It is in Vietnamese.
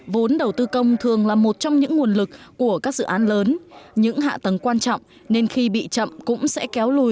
vốn đầu tư công thường là một trong những nguồn lực của các dự án lớn những hạ tầng quan trọng nên khi bị chậm cũng sẽ kéo lùi